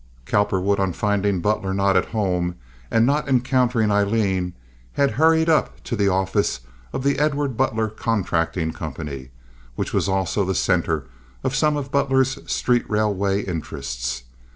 Cowperwood, on finding Butler not at home, and not encountering Aileen, had hurried up to the office of the Edward Butler Contracting Company, which was also the center of some of Butler's street railway interests.